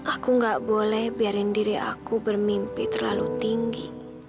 aku nggak boleh biarin diri aku bermimpi terlalu tinggi